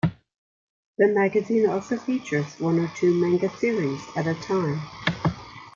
The magazine also features one or two manga series at a time.